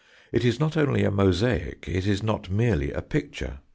It is not only a mosaic; it is not merely a picture.